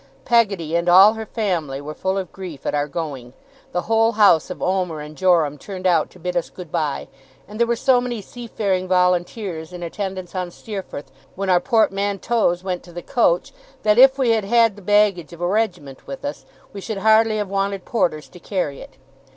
Peggotty and all her family were full of grief at our going. The whole house of Omer and Joram turned out to bid us good bye; and there were so many seafaring volunteers in attendance on Steerforth, when our portmanteaux went to the coach, that if we had had the baggage of a regiment with us, we should hardly have wanted porters to carry it.